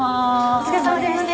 お疲れさまです。